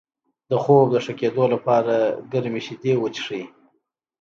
د خوب د ښه کیدو لپاره ګرمې شیدې وڅښئ